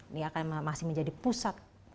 ini akan masih menjadi pusat